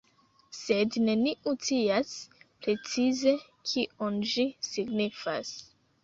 Sed neniu scias, precize kion ĝi signifas.